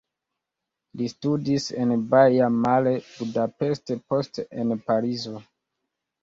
Li studis en Baia Mare, Budapest, poste en Parizo.